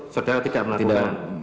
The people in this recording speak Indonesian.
saudara tidak melakukan